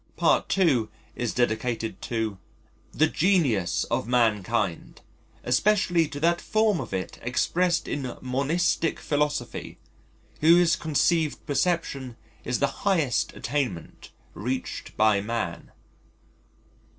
Part II. is dedicated to: "The genius of mankind, especially to that form of it expressed in monistic philosophy, whose conceived perception is the highest attainment reached by man."